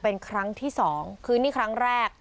เป็นครั้งที่สองคือนี่ครั้งแรก